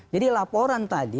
jadi laporan tadi